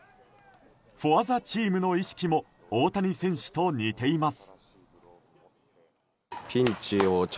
フォアザチームの意識も大谷選手と似ています。